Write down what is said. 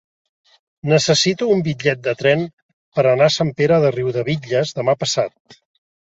Necessito un bitllet de tren per anar a Sant Pere de Riudebitlles demà passat.